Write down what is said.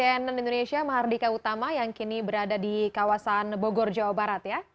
cnn indonesia mahardika utama yang kini berada di kawasan bogor jawa barat ya